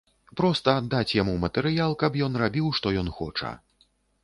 Проста аддаць яму матэрыял, каб ён рабіў, што ён хоча.